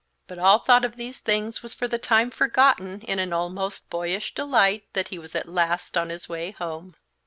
But all thought of these things was for the time forgotten in an almost boyish delight that he was at last on his way home.